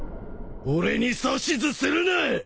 俺に指図するな！